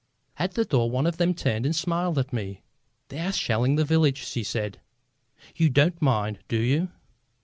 At the door one of them turned and smiled at me. "They are shelling the village," she said. "You don't mind, do you?"